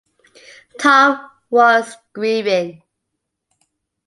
Tom was grieving.